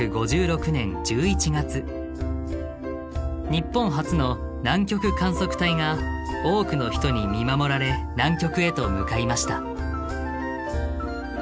日本初の南極観測隊が多くの人に見守られ南極へと向かいました。